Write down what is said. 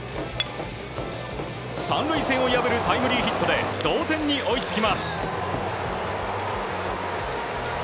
３塁線を破るタイムリーヒットで同点に追いつきます。